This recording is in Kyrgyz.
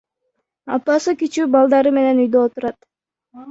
Апасы кичүү балдары менен үйдө отурат.